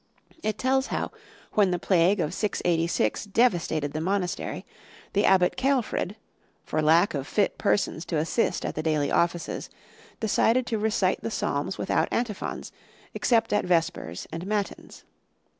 It tells how, when the plague of 686 devastated the monastery, the Abbot Ceolfrid, for lack of fit persons to assist at the daily offices, decided to recite the psalms without antiphons, except at vespers and matins.